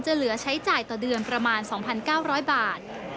เหลือใช้จ่ายต่อเดือนประมาณ๒๙๐๐บาท